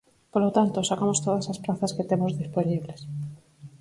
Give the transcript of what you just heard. Polo tanto, sacamos todas as prazas que temos dispoñibles.